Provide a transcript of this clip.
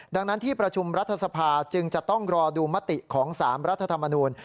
ดังนั้นที่ประชุมรัฐสภาจึงจะต้องรอดูมติของ๓รัฐธรรมนูล